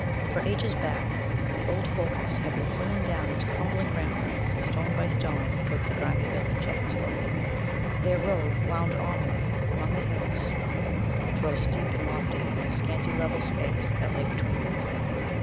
For ages back, the old fortress had been flinging down its crumbling ramparts, stone by stone, towards the grimy village at its foot. Their road wound onward among the hills, which rose steep and lofty from the scanty level space that lay between them.